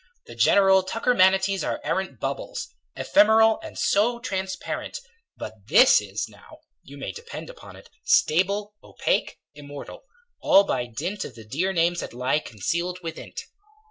The general tuckermanities are arrant Bubbles ephemeral and so transparent But this is, now you may depend upon it Stable, opaque, immortal all by dint Of the dear names that lie concealed within't.